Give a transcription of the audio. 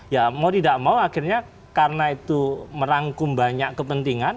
ya mau tidak mau akhirnya karena itu merangkum banyak kepentingan